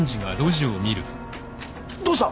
どうした？